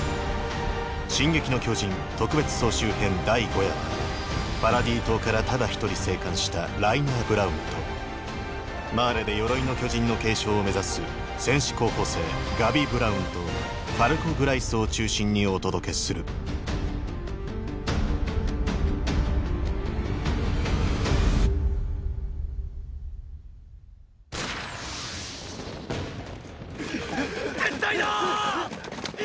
「進撃の巨人特別総集編」第５夜はパラディ島からただ一人生還したライナー・ブラウンとマーレで「鎧の巨人」の継承を目指す戦士候補生ガビ・ブラウンとファルコ・グライスを中心にお届けする撤退だーっ！！